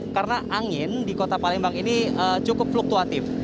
karena angin di kota palembang ini cukup fluktuatif